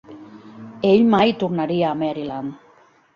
Ell mai tornaria a Maryland.